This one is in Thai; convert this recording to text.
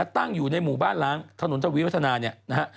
ตั้งอยู่ในหมู่บ้านล้างถนนทวีวัฒนาเนี่ยนะฮะ